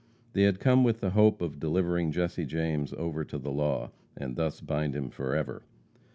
They had come with the hope of delivering Jesse James over to the law, and thus bind him forever.